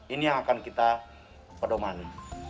ini yang akan kita pedomani